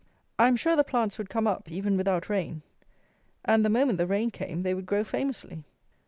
I am sure the plants would come up, even without rain. And, the moment the rain came, they would grow famously.